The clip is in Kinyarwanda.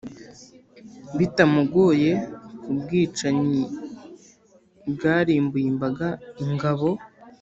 bitamugoye ku bwicanyi bwarimbuye imbaga ingabo